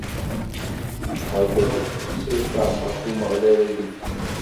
Ɛeyyḍet si lferḥ ɣer Umeɣlal, agellid!